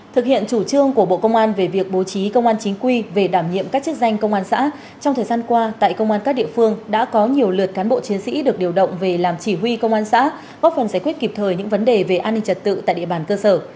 thực hiện chủ trương của bộ công an về việc bố trí công an chính quy về đảm nhiệm các chức danh công an xã trong thời gian qua tại công an các địa phương đã có nhiều lượt cán bộ chiến sĩ được điều động về làm chỉ huy công an xã góp phần giải quyết kịp thời những vấn đề về an ninh trật tự tại địa bàn cơ sở